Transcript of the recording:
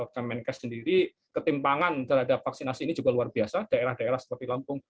kemenkes sendiri ketimpangan terhadap vaksinasi ini juga luar biasa daerah daerah seperti lampung